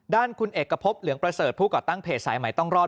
ด้านคุณเอกพบเหลืองประเสริฐผู้ก่อตั้งเพจสายใหม่ต้องรอด